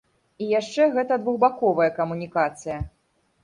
І яшчэ гэта двухбаковая камунікацыя.